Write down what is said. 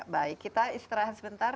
baik kita istirahat sebentar